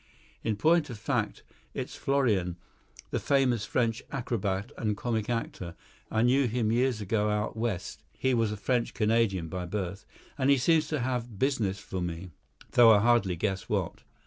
In point of fact it's Florian, that famous French acrobat and comic actor; I knew him years ago out West (he was a French Canadian by birth), and he seems to have business for me, though I hardly guess what."